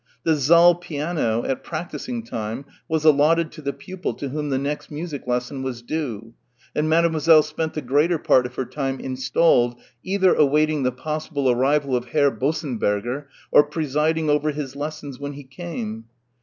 The saal piano at practising time was allotted to the pupil to whom the next music lesson was due, and Mademoiselle spent the greater part of her time installed, either awaiting the possible arrival of Herr Bossenberger or presiding over his lessons when he came.